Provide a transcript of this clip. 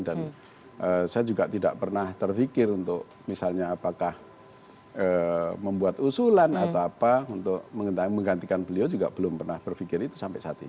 dan saya juga tidak pernah terfikir untuk misalnya apakah membuat usulan atau apa untuk menggantikan beliau juga belum pernah berfikir itu sampai saat ini